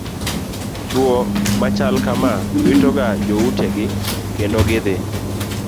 Chuo machal kamaa wito ga joutegi kendo gidhi